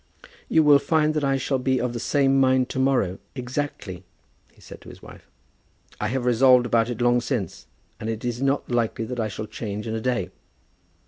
"You will find that I shall be of the same mind to morrow, exactly," he said to his wife. "I have resolved about it long since; and it is not likely that I shall change in a day."